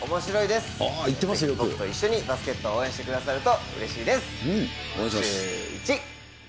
ぜひ僕と一緒にバスケットを応援してくださるとうれしいです。